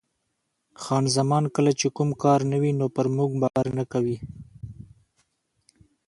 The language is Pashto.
خان زمان: کله چې کوم کار نه وي نو پر موږ باور نه کوي.